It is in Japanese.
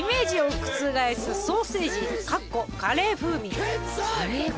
カレーか。